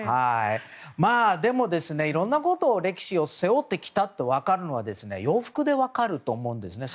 まあいろんなこと、歴史を背負ってきたと分かるのは洋服で分かると思うんですね。